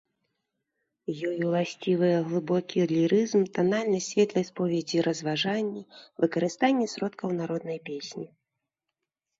Ёй уласцівыя глыбокі лірызм, танальнасць светлай споведзі-разважанні, выкарыстанне сродкаў народнай песні.